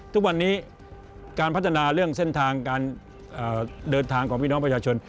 ทุกวันนี้การพัฒนาเรื่องเส้นทางการเดินทางของพี่น้องประชาชน